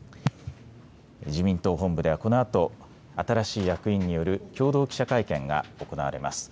自民党本部ではこのあと新しい役員による共同記者会見が行われます。